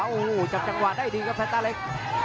โอ้โหจับจังหวะได้ดีครับแฟนต้าเล็ก